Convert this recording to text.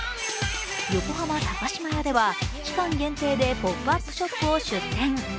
横浜高島屋では期間限定でポップアップショップを出店。